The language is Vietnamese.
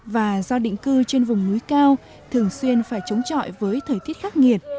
và do định cư trên vùng núi cao thường xuyên phải chống chọi với thời tiết khắc nghiệt